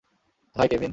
High, Kevin.